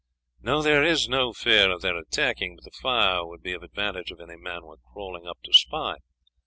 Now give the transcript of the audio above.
"No, there is no fear of their attacking; but the fire would be of advantage if any men were crawling up to spy.